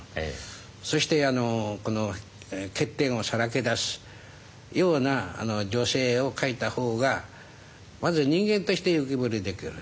そして欠点をさらけ出すような女性を書いた方がまず人間として浮き彫りにできる。